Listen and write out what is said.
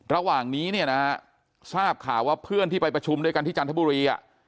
ระหว่างนี้เนี่ยนะฮะทราบข่าวว่าเพื่อนที่ไปประชุมด้วยกันที่จันทบุรี